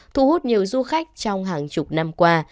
thu hút nhiều du khách trong hàng chục năm qua